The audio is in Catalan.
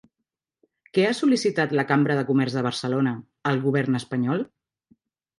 Què ha sol·licitat la Cambra de Comerç de Barcelona al govern espanyol?